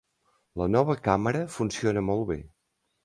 La nova càmera funciona molt bé.